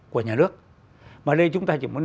của nhà nước mà đây chúng ta chỉ muốn